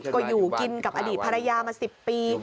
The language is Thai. ก็อยู่กินกับอดีตภรรยามา๑๐ปี